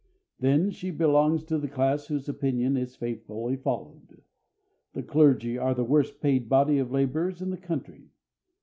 Then she belongs to the class whose opinion is faithfully followed. The clergy are the worst paid body of laborers in the country.